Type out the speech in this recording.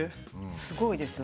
すごいですよね。